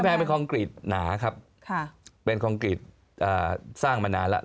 ตรงแอนเป็นคลองกรีตหนาครับเป็นคลองกรีตสร้างมานานแล้ว